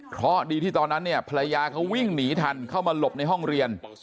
เพราะดีที่ตอนนั้นเนี่ยภรรยาเขาวิ่งหนีทันเข้ามาหลบในห้องเรียน